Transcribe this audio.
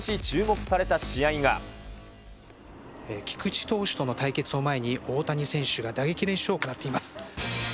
菊池投手との対決を前に、大谷選手が打撃練習を行っています。